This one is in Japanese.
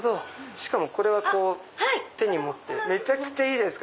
しかもこれは手に持ってめちゃくちゃいいじゃないですか。